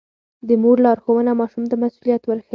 د مور لارښوونه ماشوم ته مسووليت ورښيي.